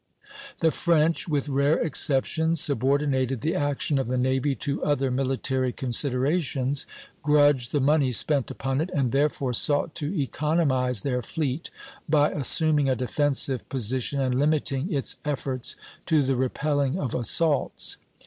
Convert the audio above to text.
The French, with rare exceptions, subordinated the action of the navy to other military considerations, grudged the money spent upon it, and therefore sought to economize their fleet by assuming a defensive position and limiting its efforts to the repelling of assaults.